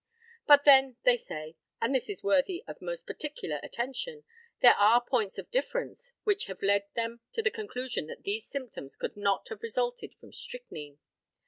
But then they say and this is worthy of most particular attention there are points of difference which have led them to the conclusion that these symptoms could not have resulted from strychnine.